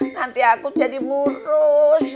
nanti aku jadi murus